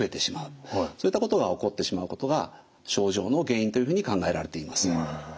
そういったことが起こってしまうことが症状の原因というふうに考えられています。